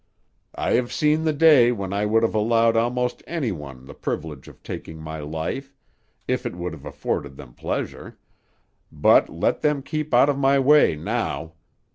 "I have seen the day when I would have allowed almost any one the privilege of taking my life, if it would have afforded them pleasure, but let them keep out of my way now!